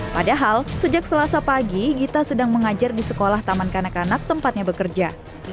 padahal sejak selasa pagi gita sedang mengajar di sekolah taman kanak kanak tempatnya bekerja